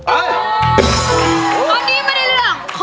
อันนี้ไม่ได้เรื่องฮะ